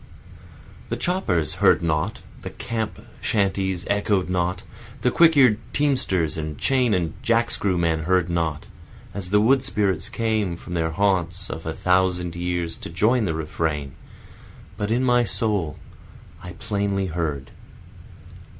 The choppers heard not, the camp shanties echoed not, The quick ear'd teamsters and chain and jack screw men heard not, As the wood spirits came from their haunts of a thousand years to join the refrain, But in my soul I plainly heard.